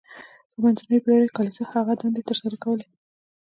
په منځنیو پیړیو کې کلیسا هغه دندې تر سره کولې.